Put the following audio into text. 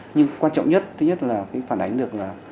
nhưng quan trọng nhất thứ nhất là phản ánh được là